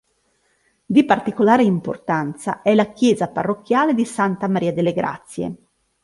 Di particolare importanza è la chiesa parrocchiale di Santa Maria delle Grazie.